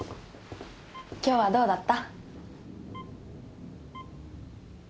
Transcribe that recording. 今日はどうだった？